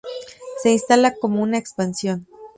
Se instala como una expansión.